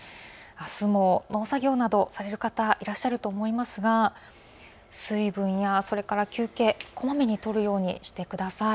あすも農作業などされる方、いらっしゃると思いますが、水分や休憩、こまめにとるようにしてください。